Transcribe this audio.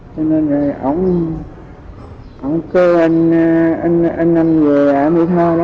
cho nên ông cưa anh em về mỹ tho đó